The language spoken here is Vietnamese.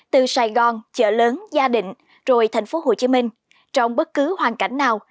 từ sài gòn chợ lớn gia đình rồi thành phố hồ chí minh trong bất cứ hoàn cảnh nào